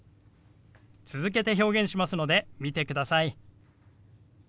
続けて表現しますので見てください。